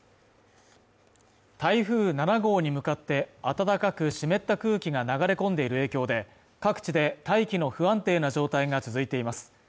台風７号に向かって暖かく湿った空気が流れ込んでいる影響で各地で大気の不安定な状態が続いています